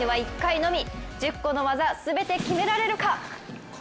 １０個の技、全て決められるか。